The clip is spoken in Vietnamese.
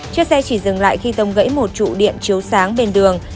chiếc xe chỉ dừng lại khi tông gãy một trụ điện chiếu sáng bên đường